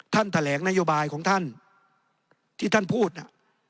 แถลงนโยบายของท่านที่ท่านพูดน่ะ